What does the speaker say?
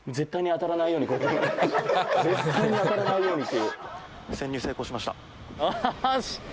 「絶対に当たらないようにっていう」